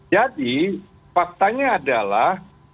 jadi faktanya adalah